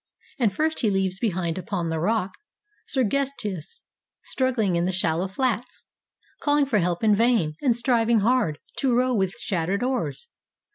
And first he leaves behind upon the rock Sergestus, struggling in the shallow flats. Calling for help in vain, and striving hard To row with shattered oars.